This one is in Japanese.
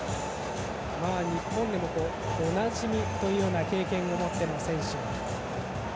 日本でもおなじみというような経験を持っての選手も。